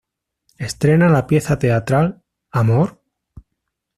Estrena la pieza teatral “¿Amor?...